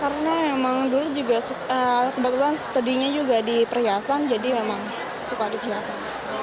karena emang dulu juga kebetulan studinya juga di perhiasan jadi emang suka di perhiasan